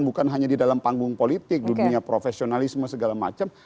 bukan hanya di dalam panggung politik di dunia profesionalisme segala macam